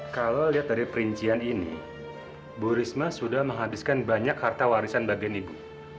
kalau lihat dari perincian ini bu risma sudah menghabiskan banyak harta warisan bagian ibu